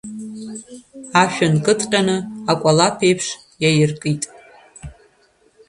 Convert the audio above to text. Ашә нкыдҟьаны акәалаԥ еиԥш иаиркит.